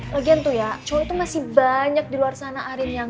lagian tuh ya cowok itu masih banyak di luar sana